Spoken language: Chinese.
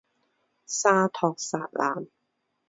沙托萨兰。